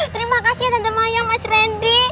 terima kasih ya tante maya mas rendy